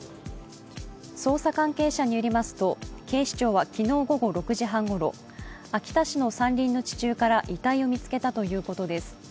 捜査関係者によりますと、警視庁は昨日午後６時半ごろ、秋田市の山林の地中から遺体を見つけたということです。